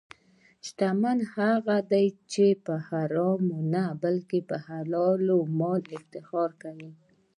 شتمن هغه دی چې په حرامو نه، بلکې حلال مال افتخار کوي.